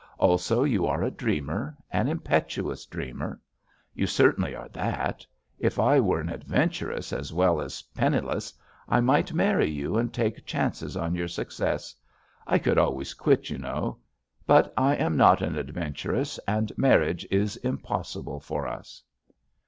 Also, you are a dreamer, an impetuous dreamer. You certainly are that. If I were an adventuress as well as — penniless, I might marry you and take chances on your success. I could always quit, you gjl JUST SWEETHEARTS know. But I am not an adventuress and mar riage is impossible for us."